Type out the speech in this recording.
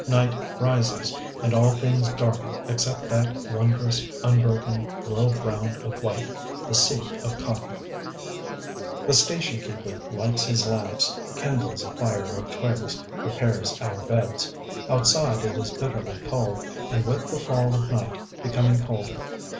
Night rises; and all things darken except that wondrous unbroken world round of white, the Sea of Cotton. The station keeper lights his lamps, kindles a fire of twigs, prepares our beds. Outside it is bitterly cold, and, with the fall of night, becoming colder.